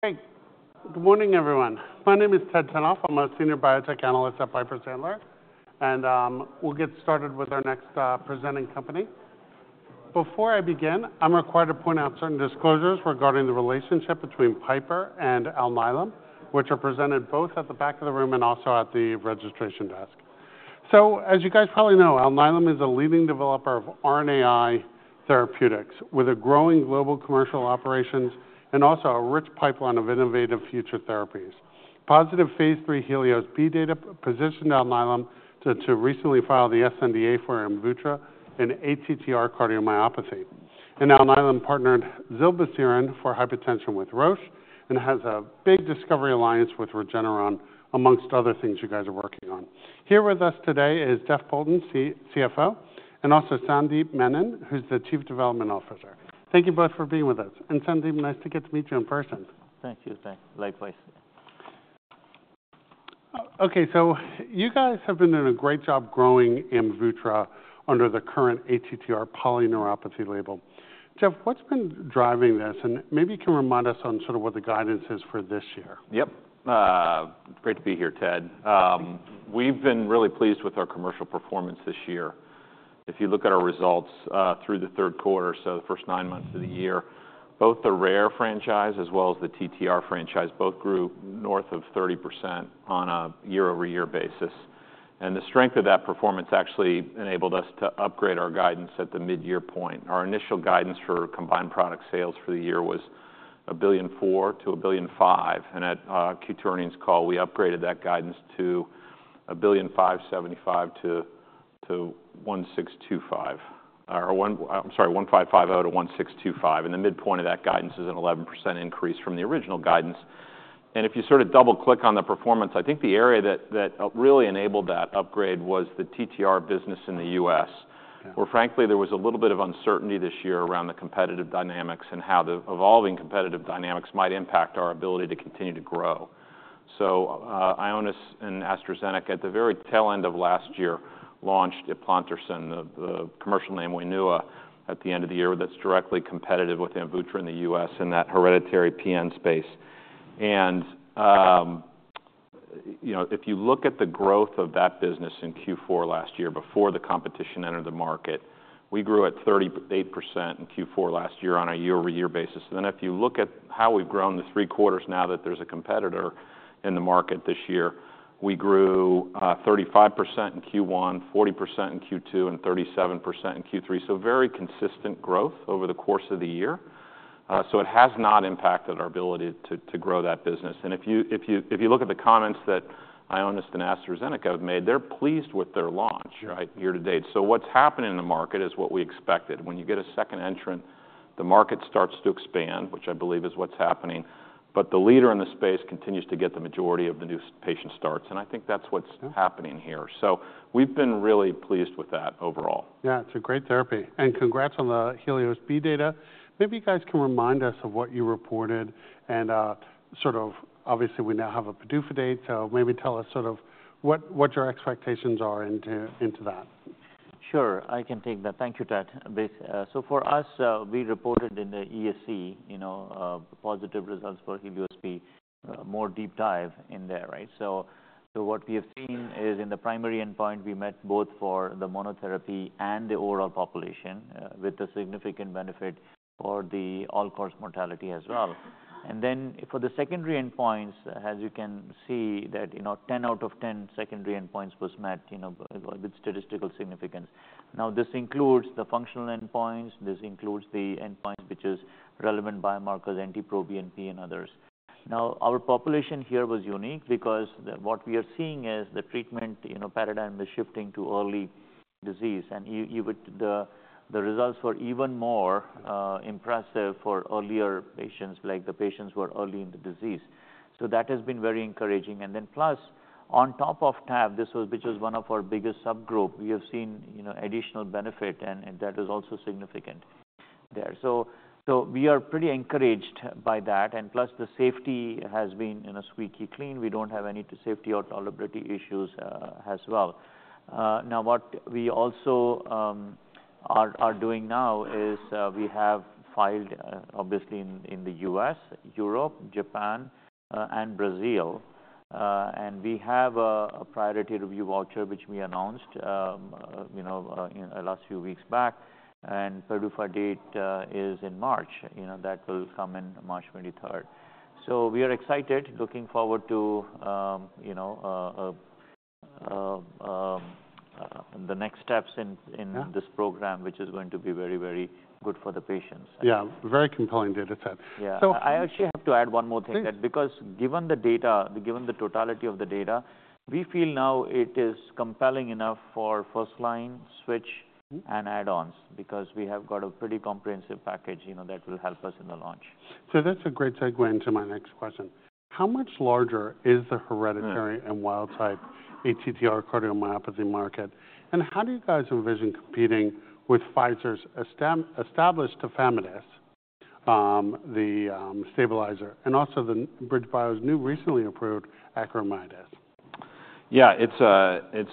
Thanks. Good morning, everyone. My name is Ted Tenthoff. I'm a senior biotech analyst at Piper Sandler, and we'll get started with our next presenting company. Before I begin, I'm required to point out certain disclosures regarding the relationship between Piper and Alnylam, which are presented both at the back of the room and also at the registration desk, so, as you guys probably know, Alnylam is a leading developer of RNAi therapeutics, with a growing global commercial operations and also a rich pipeline of innovative future therapies. Positive phase III HELIOS-B data positioned Alnylam to recently file the sNDA for Amvuttra and ATTR cardiomyopathy, and Alnylam partnered zilebesiren for hypertension with Roche and has a big discovery alliance with Regeneron, among other things you guys are working on. Here with us today is Jeff Poulton, CFO, and also Sandeep Menon, who's the Chief Development Officer. Thank you both for being with us, and Sandeep, nice to get to meet you in person. Thank you. Thanks. Likewise. OK, so you guys have been doing a great job growing Amvuttra under the current ATTR polyneuropathy label. Jeff, what's been driving this? And maybe you can remind us on sort of what the guidance is for this year. Yep. Great to be here, Ted. We've been really pleased with our commercial performance this year. If you look at our results through the third quarter, so the first nine months of the year, both the Rare franchise as well as the TTR franchise both grew north of 30% on a year-over-year basis, and the strength of that performance actually enabled us to upgrade our guidance at the mid-year point. Our initial guidance for combined product sales for the year was $1.04 billion-$1.05 billion, and at Q2 earnings call, we upgraded that guidance to $1.0575-$1.1625, or I'm sorry, $1.550-$1.1625, and the midpoint of that guidance is an 11% increase from the original guidance. If you sort of double-click on the performance, I think the area that really enabled that upgrade was the TTR business in the U.S., where, frankly, there was a little bit of uncertainty this year around the competitive dynamics and how the evolving competitive dynamics might impact our ability to continue to grow. Ionis and AstraZeneca, at the very tail end of last year, launched Wainua, the commercial name we knew at the end of the year, that's directly competitive with Amvuttra in the U.S. in that hereditary PN space. If you look at the growth of that business in Q4 last year, before the competition entered the market, we grew at 38% in Q4 last year on a year-over-year basis. And then if you look at how we've grown the three quarters now that there's a competitor in the market this year, we grew 35% in Q1, 40% in Q2, and 37% in Q3. So very consistent growth over the course of the year. So it has not impacted our ability to grow that business. And if you look at the comments that Ionis and AstraZeneca have made, they're pleased with their launch year to date. So what's happening in the market is what we expected. When you get a second entrant, the market starts to expand, which I believe is what's happening. But the leader in the space continues to get the majority of the new patient starts. And I think that's what's happening here. So we've been really pleased with that overall. Yeah, it's a great therapy, and congrats on the HELIOS-B data. Maybe you guys can remind us of what you reported, and sort of obviously, we now have a PDUFA date, so maybe tell us sort of what your expectations are into that. Sure. I can take that. Thank you, Ted. So for us, we reported in the ESC positive results for HELIOS-B. More deep dive in there, right? So what we have seen is in the primary endpoint, we met both for the monotherapy and the overall population, with a significant benefit for the all-cause mortality as well. And then for the secondary endpoints, as you can see, that 10 out of 10 secondary endpoints was met with statistical significance. Now, this includes the functional endpoints. This includes the endpoints which are relevant biomarkers, NT-proBNP, and others. Now, our population here was unique because what we are seeing is the treatment paradigm is shifting to early disease. And the results were even more impressive for earlier patients, like the patients who were early in the disease. So that has been very encouraging. And then plus, on top of TAB, which was one of our biggest subgroups, we have seen additional benefit. And that is also significant there. So we are pretty encouraged by that. And plus, the safety has been squeaky clean. We don't have any safety or tolerability issues as well. Now, what we also are doing now is we have filed, obviously, in the U.S., Europe, Japan, and Brazil. And we have a priority review voucher, which we announced last few weeks back. And PDUFA date is in March. That will come in March 23rd. So we are excited, looking forward to the next steps in this program, which is going to be very, very good for the patients. Yeah, very compelling data set. Yeah. So I actually have to add one more thing. Because given the data, given the totality of the data, we feel now it is compelling enough for first-line switch and add-ons, because we have got a pretty comprehensive package that will help us in the launch. So that's a great segue into my next question. How much larger is the hereditary and wild-type ATTR cardiomyopathy market? And how do you guys envision competing with Pfizer's established tafamidis, the stabilizer, and also the BridgeBio's new recently approved acoramidis? Yeah, it's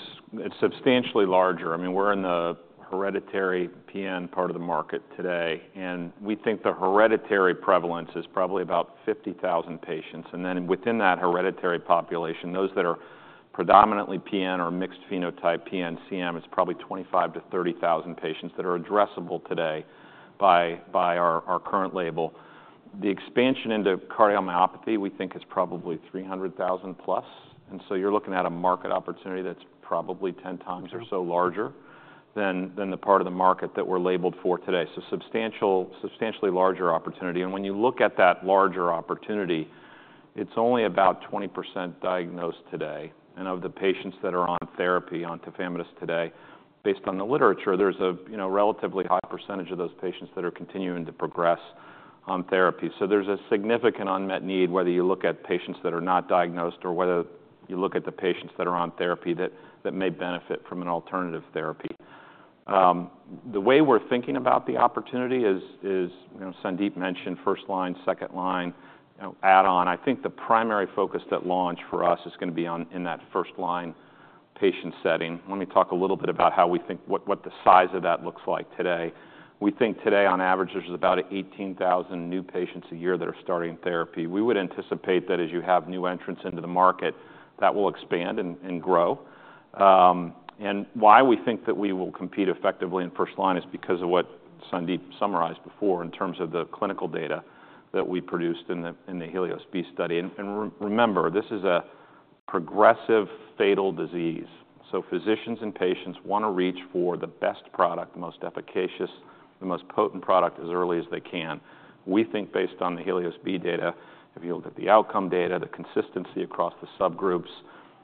substantially larger. I mean, we're in the hereditary PN part of the market today. And we think the hereditary prevalence is probably about 50,000 patients. And then within that hereditary population, those that are predominantly PN or mixed phenotype PNCM, it's probably 25,000 to 30,000 patients that are addressable today by our current label. The expansion into cardiomyopathy, we think, is probably 300,000 plus. And so you're looking at a market opportunity that's probably 10 times or so larger than the part of the market that we're labeled for today. So substantially larger opportunity. And when you look at that larger opportunity, it's only about 20% diagnosed today. And of the patients that are on therapy, on tafamidis today, based on the literature, there's a relatively high percentage of those patients that are continuing to progress on therapy. There's a significant unmet need, whether you look at patients that are not diagnosed or whether you look at the patients that are on therapy that may benefit from an alternative therapy. The way we're thinking about the opportunity is, as Sandeep mentioned, first-line, second-line, add-on. I think the primary focus of that launch for us is going to be in that first-line patient setting. Let me talk a little bit about how we think about what the size of that looks like today. We think today, on average, there's about 18,000 new patients a year that are starting therapy. We would anticipate that as you have new entrants into the market, that will expand and grow. Why we think that we will compete effectively in first-line is because of what Sandeep summarized before in terms of the clinical data that we produced in the HELIOS-B study. Remember, this is a progressive fatal disease. Physicians and patients want to reach for the best product, the most efficacious, the most potent product as early as they can. We think, based on the Helios B data, if you look at the outcome data, the consistency across the subgroups,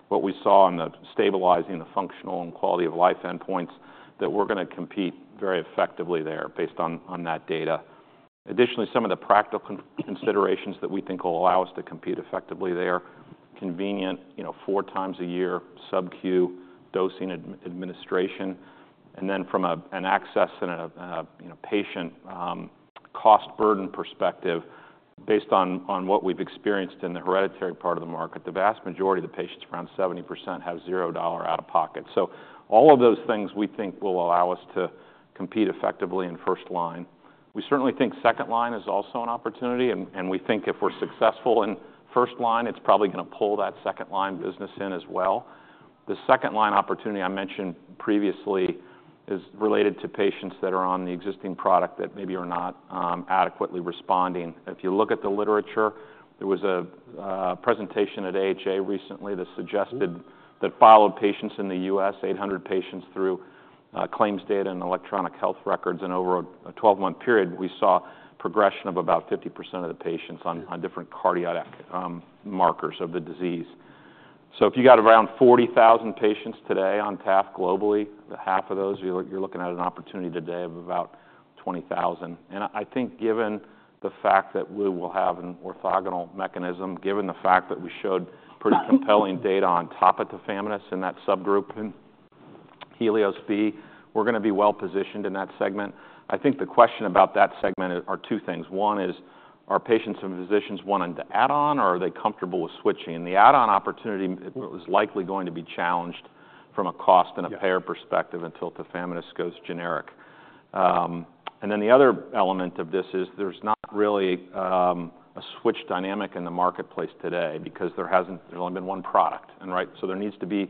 what we saw in the stabilizing, the functional, and quality of life endpoints, that we're going to compete very effectively there based on that data. Additionally, some of the practical considerations that we think will allow us to compete effectively there: convenient, four times a year, sub-Q dosing administration. From an access and a patient cost burden perspective, based on what we've experienced in the hereditary part of the market, the vast majority of the patients, around 70%, have $0 out of pocket. All of those things we think will allow us to compete effectively in first-line. We certainly think second-line is also an opportunity. We think if we're successful in first-line, it's probably going to pull that second-line business in as well. The second-line opportunity I mentioned previously is related to patients that are on the existing product that maybe are not adequately responding. If you look at the literature, there was a presentation at AHA recently that followed 800 patients in the U.S. through claims data and electronic health records. Over a 12-month period, we saw progression of about 50% of the patients on different cardiac markers of the disease. If you got around 40,000 patients today on TAF globally, half of those, you're looking at an opportunity today of about 20,000. I think given the fact that we will have an orthogonal mechanism, given the fact that we showed pretty compelling data on top of tafamidis in that subgroup and HELIOS-B, we're going to be well-positioned in that segment. I think the question about that segment are two things. One is, are patients and physicians wanting to add-on, or are they comfortable with switching? And the add-on opportunity is likely going to be challenged from a cost and a payer perspective until tafamidis goes generic. And then the other element of this is there's not really a switch dynamic in the marketplace today, because there hasn't. There's only been one product. And so there needs to be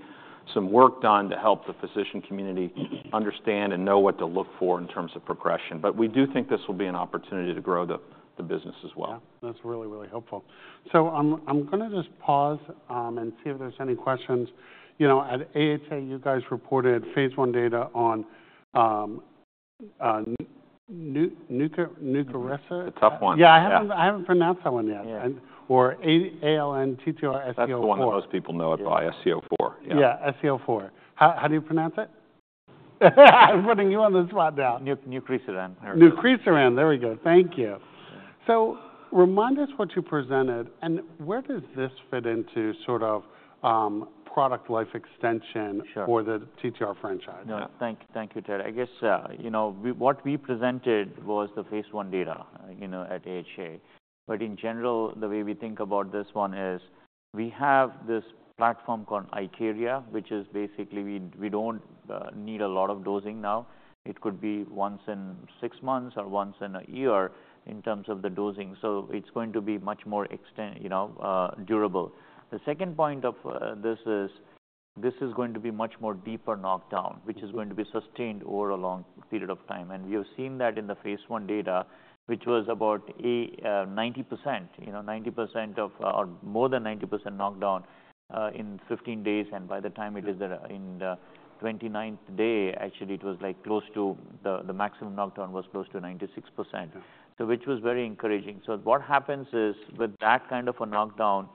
some work done to help the physician community understand and know what to look for in terms of progression. But we do think this will be an opportunity to grow the business as well. Yeah, that's really, really helpful. So I'm going to just pause and see if there's any questions. At AHA, you guys reported phase I data on nucresiran. A tough one. Yeah, I haven't pronounced that one yet. Or ALN-TTRsc04. That's the one most people know it by, sc04. Yeah, sc04. How do you pronounce it? I'm putting you on the spot now. Nucresiran. Nucresiran. There we go. Thank you. So remind us what you presented. And where does this fit into sort of product life extension for the TTR franchise? Thank you, Ted. I guess what we presented was the phase I data at AHA. But in general, the way we think about this one is we have this platform called IKARIA, which is basically we don't need a lot of dosing now. It could be once in six months or once in a year in terms of the dosing. So it's going to be much more durable. The second point of this is this is going to be much more deeper knockdown, which is going to be sustained over a long period of time. And we have seen that in the phase I data, which was about 90%, 90% of or more than 90% knockdown in 15 days. And by the time it is in the 29th day, actually, it was like close to the maximum knockdown was close to 96%, which was very encouraging. So what happens is with that kind of a knockdown,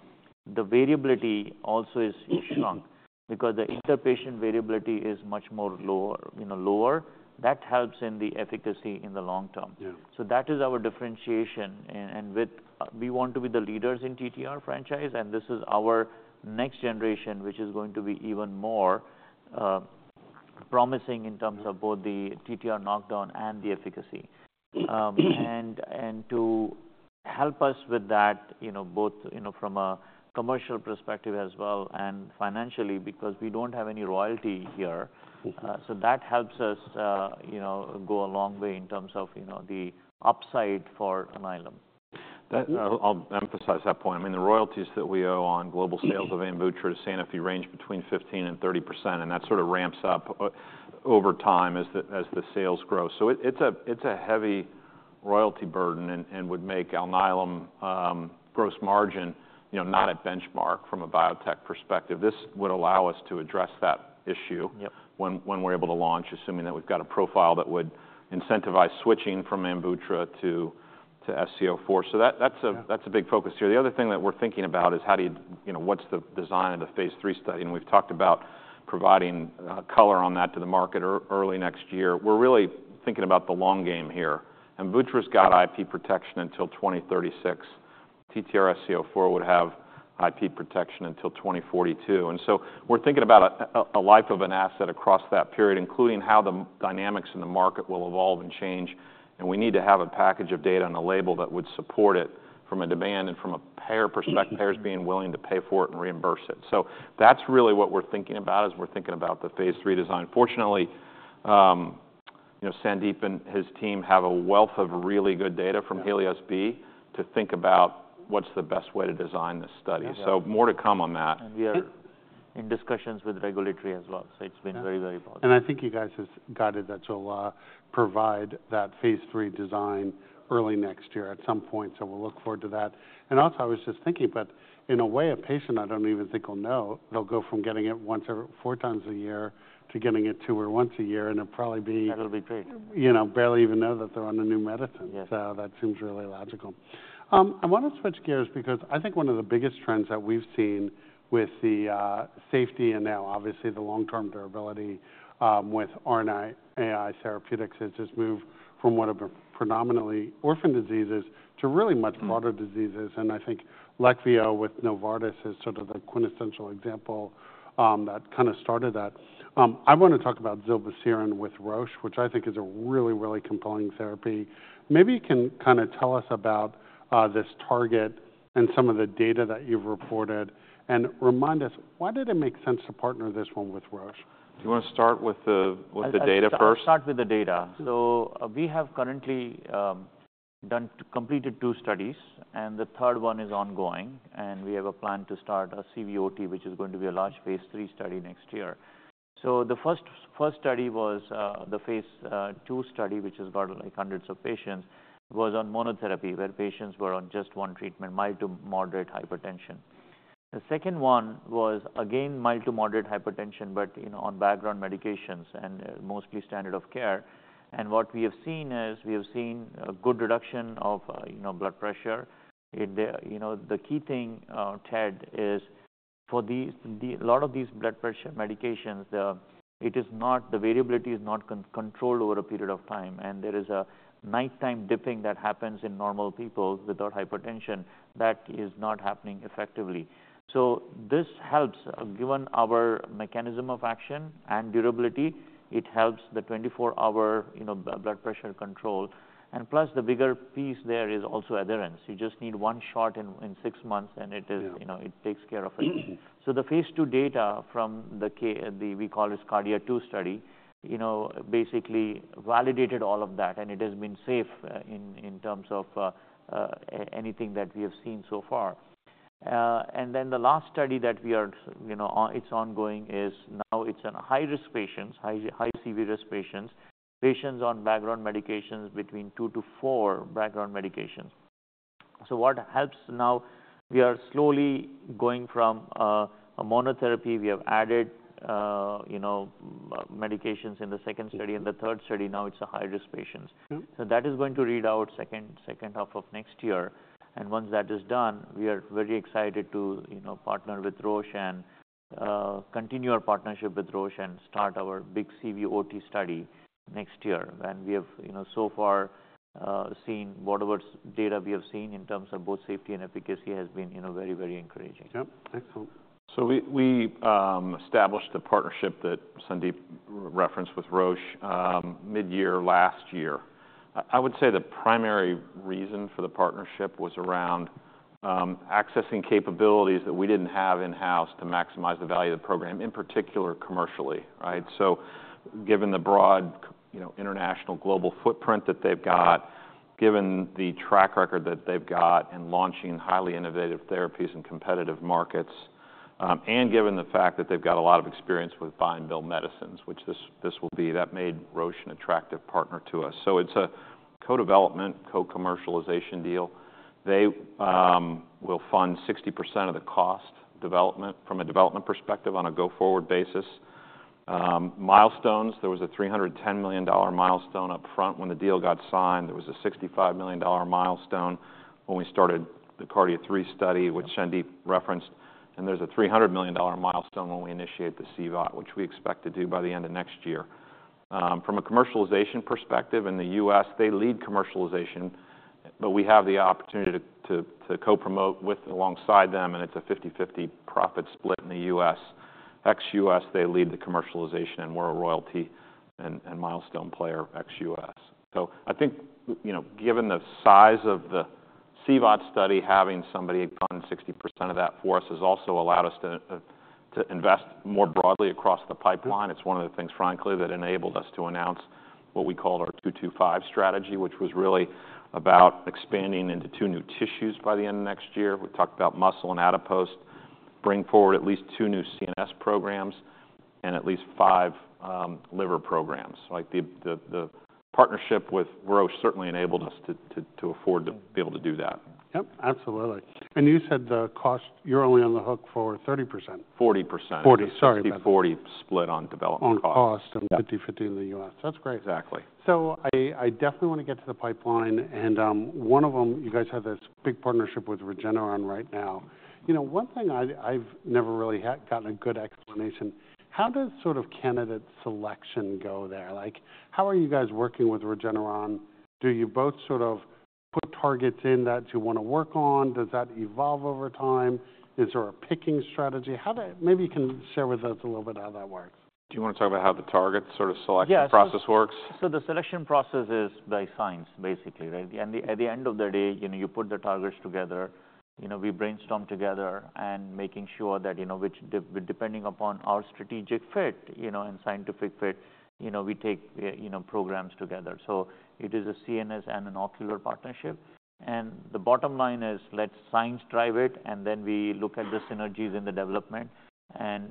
the variability also is shrunk, because the interpatient variability is much more lower. That helps in the efficacy in the long term. So that is our differentiation. And we want to be the leaders in TTR franchise. And this is our next generation, which is going to be even more promising in terms of both the TTR knockdown and the efficacy. And to help us with that, both from a commercial perspective as well and financially, because we don't have any royalty here. So that helps us go a long way in terms of the upside for Alnylam. I'll emphasize that point. I mean, the royalties that we owe on global sales of Amvuttra to Sanofi range between 15% and 30%, and that sort of ramps up over time as the sales grow, so it's a heavy royalty burden and would make Alnylam gross margin not at benchmark from a biotech perspective. This would allow us to address that issue when we're able to launch, assuming that we've got a profile that would incentivize switching from Amvuttra to sc04, so that's a big focus here. The other thing that we're thinking about is how do you, what's the design of the phase III study? And we've talked about providing color on that to the market early next year. We're really thinking about the long game here. Amvuttra's got IP protection until 2036. TTR sc04 would have IP protection until 2042. And so we're thinking about a life of an asset across that period, including how the dynamics in the market will evolve and change. And we need to have a package of data and a label that would support it from a demand and from a payer perspective, payers being willing to pay for it and reimburse it. So that's really what we're thinking about as we're thinking about the phase III design. Fortunately, Sandeep and his team have a wealth of really good data from HELIOS-B to think about what's the best way to design this study. So more to come on that. We are in discussions with regulatory as well. It's been very, very positive. And I think you guys have guided that to provide that phase III design early next year at some point. So we'll look forward to that. And also, I was just thinking about in a way, a patient I don't even think will know they'll go from getting it four times a year to getting it two or once a year. And it'll probably be. That'll be great. Barely even know that they're on a new medicine. So that seems really logical. I want to switch gears, because I think one of the biggest trends that we've seen with the safety and now, obviously, the long-term durability with RNAi therapeutics is this move from what have been predominantly orphan diseases to really much broader diseases. And I think Leqvio with Novartis is sort of the quintessential example that kind of started that. I want to talk about zilebesiren with Roche, which I think is a really, really compelling therapy. Maybe you can kind of tell us about this target and some of the data that you've reported. And remind us, why did it make sense to partner this one with Roche? Do you want to start with the data first? Start with the data. So we have currently completed two studies. And the third one is ongoing. And we have a plan to start a CVOT, which is going to be a large phase III study next year. So the first study was the phase II study, which has got like hundreds of patients, was on monotherapy, where patients were on just one treatment, mild to moderate hypertension. The second one was, again, mild to moderate hypertension, but on background medications and mostly standard of care. And what we have seen is we have seen a good reduction of blood pressure. The key thing, Ted, is for a lot of these blood pressure medications, the variability is not controlled over a period of time. And there is a nighttime dipping that happens in normal people without hypertension. That is not happening effectively. This helps, given our mechanism of action and durability. It helps the 24-hour blood pressure control. Plus, the bigger piece there is also adherence. You just need one shot in six months, and it takes care of it. The phase II data from what we call the KARDIA-2 study basically validated all of that. It has been safe in terms of anything that we have seen so far. Then the last study that it's ongoing is now it's on high-risk patients, high CV risk patients, patients on background medications between two to four background medications. What helps now, we are slowly going from a monotherapy. We have added medications in the second study and the third study. Now it's a high-risk patient. That is going to read out second half of next year. Once that is done, we are very excited to partner with Roche and continue our partnership with Roche and start our big CVOT study next year. We have so far seen whatever data we have seen in terms of both safety and efficacy has been very, very encouraging. Yep, excellent. So we established the partnership that Sandeep referenced with Roche mid-year last year. I would say the primary reason for the partnership was around accessing capabilities that we didn't have in-house to maximize the value of the program, in particular commercially. So given the broad international global footprint that they've got, given the track record that they've got in launching highly innovative therapies in competitive markets, and given the fact that they've got a lot of experience with buy and bill medicines, which this will be, that made Roche an attractive partner to us. So it's a co-development, co-commercialization deal. They will fund 60% of the cost development from a development perspective on a go-forward basis. Milestones, there was a $310 million milestone upfront when the deal got signed. There was a $65 million milestone when we started the KARDIA-3 study, which Sandeep referenced. There's a $300 million milestone when we initiate the CVOT, which we expect to do by the end of next year. From a commercialization perspective in the U.S., they lead commercialization. But we have the opportunity to co-promote alongside them. And it's a 50/50 profit split in the U.S. ex-U.S., they lead the commercialization. And we're a royalty and milestone player ex-U.S. So I think given the size of the CVOT study, having somebody fund 60% of that for us has also allowed us to invest more broadly across the pipeline. It's one of the things, frankly, that enabled us to announce what we called our 2-2-5 strategy, which was really about expanding into two new tissues by the end of next year. We talked about muscle and adipose, bring forward at least two new CNS programs, and at least five liver programs. The partnership with Roche certainly enabled us to afford to be able to do that. Yep, absolutely, and you said the cost, you're only on the hook for 30%. 40%. 40, sorry. 50/40 split on development cost. On cost and 50/50 in the U.S. That's great. Exactly. I definitely want to get to the pipeline. One of them, you guys have this big partnership with Regeneron right now. One thing I've never really gotten a good explanation. How does sort of candidate selection go there? How are you guys working with Regeneron? Do you both sort of put targets in that you want to work on? Does that evolve over time? Is there a picking strategy? Maybe you can share with us a little bit how that works. Do you want to talk about how the target sort of selection process works? So the selection process is by science, basically. At the end of the day, you put the targets together. We brainstorm together and making sure that depending upon our strategic fit and scientific fit, we take programs together. So it is a CNS and an ocular partnership. And the bottom line is let science drive it. And then we look at the synergies in the development. And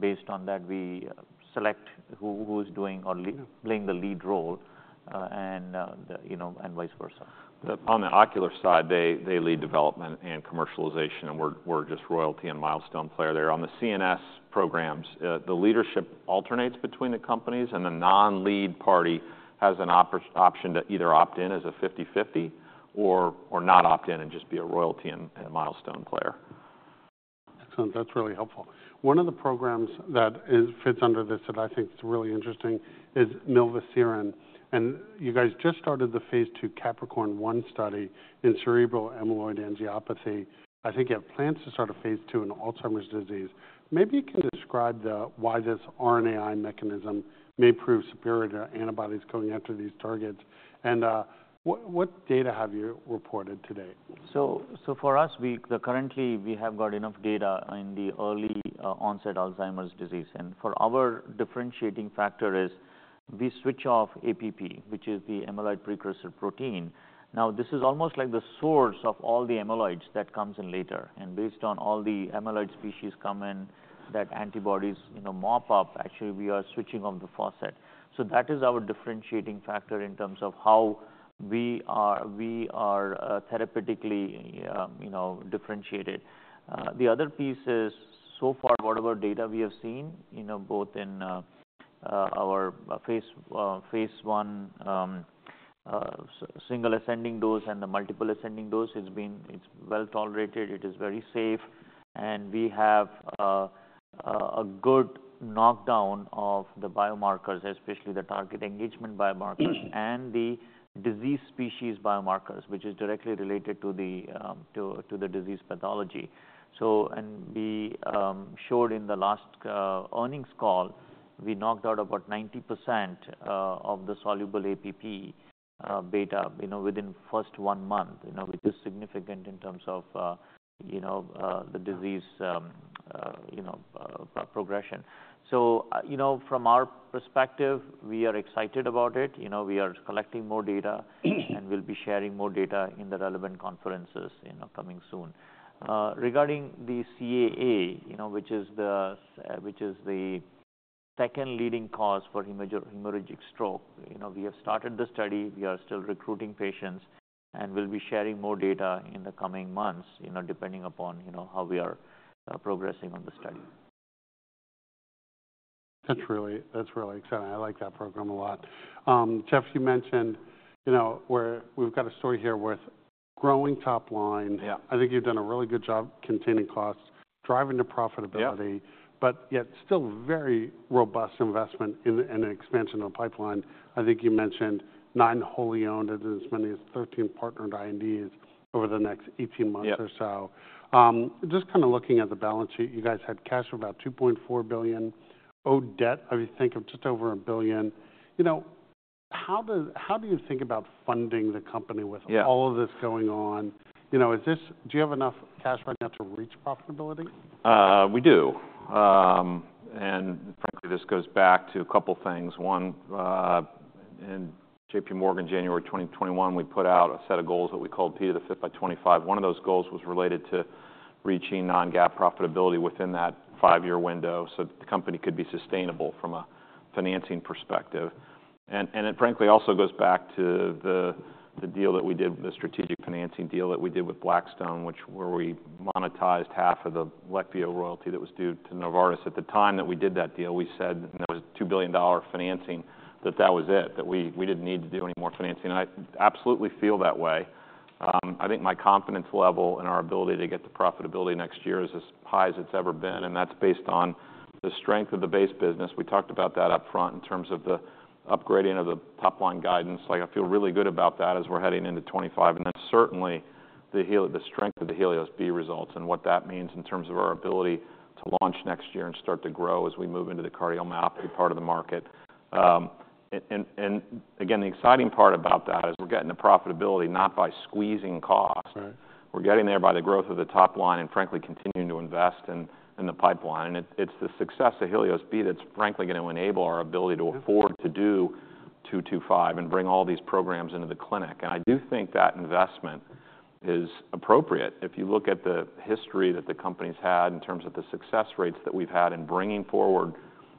based on that, we select who is playing the lead role and vice versa. On the ocular side, they lead development and commercialization. And we're just royalty and milestone player there. On the CNS programs, the leadership alternates between the companies. And the non-lead party has an option to either opt in as a 50/50 or not opt in and just be a royalty and milestone player. Excellent. That's really helpful. One of the programs that fits under this that I think is really interesting is mivelsiran. And you guys just started the phase II CAPRICORN-1 study in cerebral amyloid angiopathy. I think you have plans to start a phase II in Alzheimer's disease. Maybe you can describe why this RNAi mechanism may prove superior to antibodies going after these targets. And what data have you reported today? For us, currently, we have got enough data in the early-onset Alzheimer's disease. Our differentiating factor is we switch off APP, which is the amyloid precursor protein. Now, this is almost like the source of all the amyloids that come in later. Based on all the amyloid species that come in that antibodies mop up, actually, we are switching off the APP. That is our differentiating factor in terms of how we are therapeutically differentiated. The other piece is so far whatever data we have seen, both in our phase I single ascending dose and the multiple ascending dose, it's well tolerated. It is very safe. We have a good knockdown of the biomarkers, especially the target engagement biomarkers and the disease species biomarkers, which is directly related to the disease pathology. We showed in the last earnings call, we knocked out about 90% of the soluble APP beta within the first one month, which is significant in terms of the disease progression. From our perspective, we are excited about it. We are collecting more data. We'll be sharing more data in the relevant conferences coming soon. Regarding the CAA, which is the second leading cause for hemorrhagic stroke, we have started the study. We are still recruiting patients. We'll be sharing more data in the coming months, depending upon how we are progressing on the study. That's really exciting. I like that program a lot. Jeff, you mentioned we've got a story here with growing top line. I think you've done a really good job containing costs, driving to profitability, but yet still very robust investment in the expansion of the pipeline. I think you mentioned nine wholly owned, as many as 13 partnered INDs over the next 18 months or so. Just kind of looking at the balance sheet, you guys had cash of about $2.4 billion. Owed debt, I think, of just over $1 billion. How do you think about funding the company with all of this going on? Do you have enough cash right now to reach profitability? We do. And frankly, this goes back to a couple of things. One, in JPMorgan, January 2021, we put out a set of goals that we called P to the fifth by 25. One of those goals was related to reaching non-GAAP profitability within that five-year window so the company could be sustainable from a financing perspective. And it frankly also goes back to the deal that we did, the strategic financing deal that we did with Blackstone, where we monetized half of the Leqvio royalty that was due to Novartis. At the time that we did that deal, we said there was $2 billion financing, that that was it, that we didn't need to do any more financing. And I absolutely feel that way. I think my confidence level and our ability to get to profitability next year is as high as it's ever been. That's based on the strength of the base business. We talked about that upfront in terms of the upgrading of the top line guidance. I feel really good about that as we're heading into 2025. That's certainly the strength of the HELIOS-B results and what that means in terms of our ability to launch next year and start to grow as we move into the cardiomyopathy part of the market. Again, the exciting part about that is we're getting the profitability not by squeezing cost. We're getting there by the growth of the top line and frankly continuing to invest in the pipeline. It's the success of HELIOS-B that's frankly going to enable our ability to afford to do 2-2-5 and bring all these programs into the clinic. I do think that investment is appropriate. If you look at the history that the company's had in terms of the success rates that we've had in bringing forward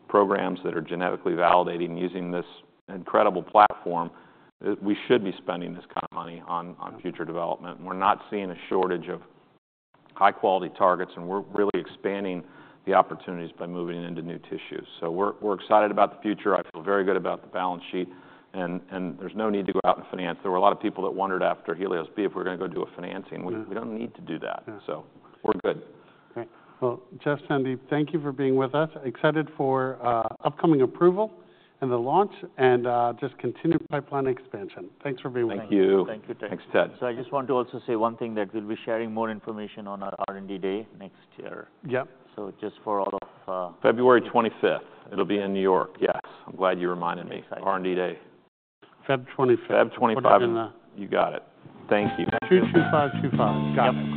programs that are genetically validating using this incredible platform, we should be spending this kind of money on future development. And we're not seeing a shortage of high-quality targets. And we're really expanding the opportunities by moving into new tissues. So we're excited about the future. I feel very good about the balance sheet. And there's no need to go out and finance. There were a lot of people that wondered after HELIOS-B if we're going to go do a financing. We don't need to do that. So we're good. Great. Well, Jeff, Sandeep, thank you for being with us. Excited for upcoming approval and the launch and just continued pipeline expansion. Thanks for being with us. Thank you. Thank you, Jeff. Thanks, Ted. I just want to also say one thing that we'll be sharing more information on our R&D Day next year. Just for all of. February 25th. It'll be in New York. Yes. I'm glad you reminded me. R&D Day. Feb 25th. February 25. You got it. Thank you. 2-2-5-2-5. Got it.